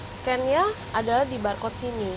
scan nya adalah di barcode sini